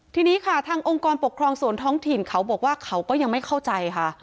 ทีนี้ค่ะทางองค์กรปกครองส่วนท้องถิ่นเขาบอกว่าเขาก็ยังไม่เข้าใจค่ะ